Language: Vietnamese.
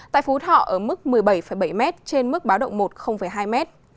tại phú thọ ở mức một mươi bảy bảy m trên mức báo động một hai m